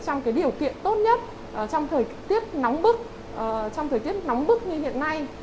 trong điều kiện tốt nhất trong thời tiết nóng bức như hiện nay